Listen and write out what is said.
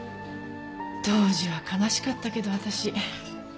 当時は悲しかったけど私。